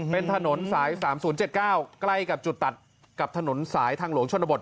เป็นถนนสายสามศูนย์เจ็ดเก้าใกล้กับจุดตัดกับถนนสายทางหลวงชนบท